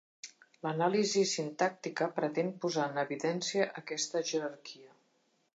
L'anàlisi sintàctica pretén posar en evidència aquesta jerarquia.